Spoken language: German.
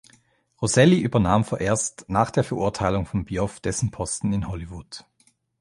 Roselli übernahm vorerst nach der Verurteilung von Bioff dessen Posten in Hollywood.